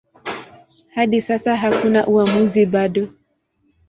Hadi sasa hakuna uamuzi bado.